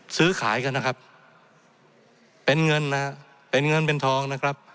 ซื้อขายกันนะครับเป็นเงินนะครับเป็นเงินเป็นทองนะครับ